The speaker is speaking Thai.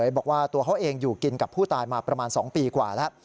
บอกว่าตัวเขาเองอยู่กินกับผู้ตายมาประมาณ๒ปีกว่าแล้ว